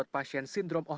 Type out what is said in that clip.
dan dua wanita paywall